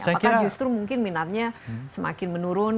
apakah justru mungkin minatnya semakin menurun